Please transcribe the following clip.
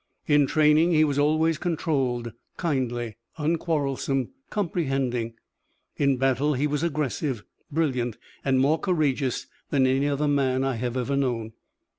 In training he was always controlled, kindly, unquarrelsome, comprehending. In battle he was aggressive, brilliant, and more courageous than any other man I have ever known.